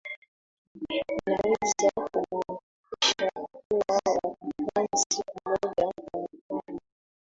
inaweza kumaanisha kuwa watafanya siku moja kwa mfano